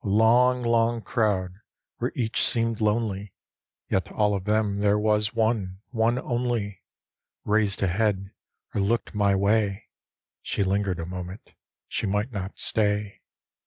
A long long crowd — where each seem'd lonely, Yet of them all there was one, one only. Raised a head or looked my way; She linger'd a moment — she might not stay.